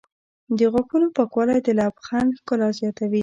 د غاښونو پاکوالی د لبخند ښکلا زیاتوي.